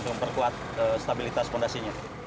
untuk memperkuat stabilitas fondasinya